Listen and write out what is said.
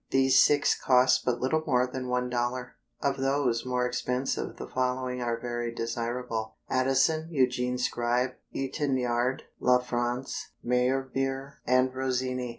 These six cost but little more than $1. Of those more expensive the following are very desirable: Addison, Eugene Scribe, Etenard, La France, Meyerbeer and Rossini.